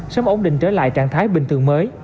sớm ổn định trở lại trạng thái bình thường mới